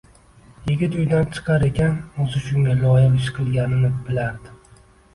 Yigit uydan chiqar ekan, o'zi shunga loyiq ish qilganini bilardi